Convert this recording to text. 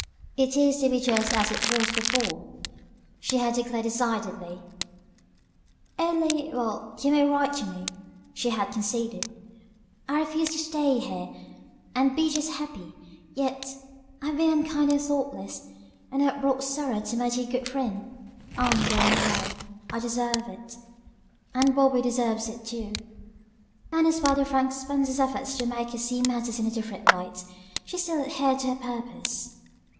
"It is to be just as it was before," she had declared decidedly, "only well, you may write to me," she had conceded. "I refuse to stay here and and be just happy yet! I've been unkind and thoughtless, and have brought sorrow to my dear good friend. I'm going away. I deserve it and Bobby deserves it, too!" And in spite of Frank Spencer's efforts to make her see matters in a different light, she still adhered to her purpose.